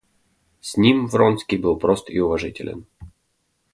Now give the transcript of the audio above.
С ним Вронский был прост и уважителен.